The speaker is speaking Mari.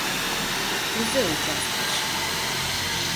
— Кузе участкеш?